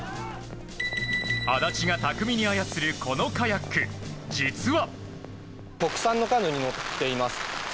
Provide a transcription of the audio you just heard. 足立が巧みに操るこのカヤック実は。